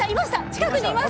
近くにいます。